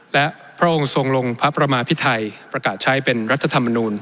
และพระองค์ทรงลงพระประมาพิไทยประกาศใช้เป็นรัฐธรรมนูล